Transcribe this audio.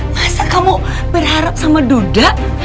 masa kamu berharap sama duda